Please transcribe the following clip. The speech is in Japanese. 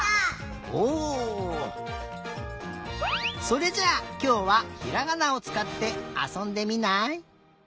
それじゃあきょうはひらがなをつかってあそんでみない？